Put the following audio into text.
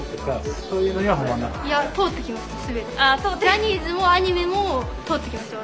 ジャニーズもアニメも通ってきました